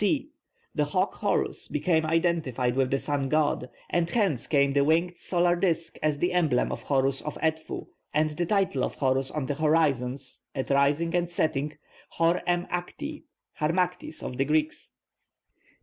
(C) The hawk Horus became identified with the sun god, and hence came the winged solar disk as the emblem of Horus of Edfu, and the title of Horus on the horizons (at rising and setting) Hor em akhti, Harmakhis of the Greeks.